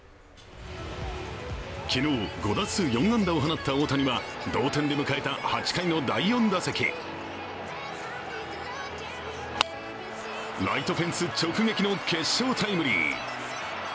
昨日、５打数４安打を放った大谷は同点で迎えた８回の第４打席ライトフェンス直撃の決勝タイムリー。